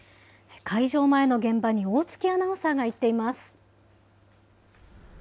開場前の現場に大槻アナウンサーが行っています。